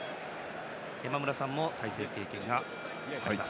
山村さんも対戦経験があります。